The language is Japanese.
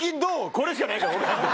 これしかないから俺なんて。